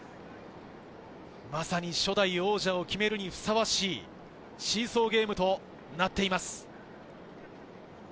まさに初代王者を決めるにふさわしいシーソーゲームとなっています。